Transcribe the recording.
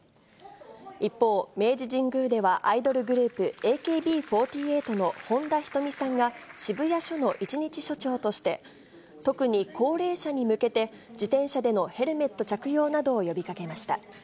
一方、明治神宮では、アイドルグループ、ＡＫＢ４８の本田仁美さんが、渋谷署の一日署長として、特に高齢者に向けて自転車でのヘルメット着用などを呼びかけました。